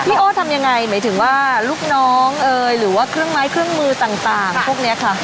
โอ้ทำยังไงหมายถึงว่าลูกน้องเอ๋ยหรือว่าเครื่องไม้เครื่องมือต่างพวกนี้ค่ะ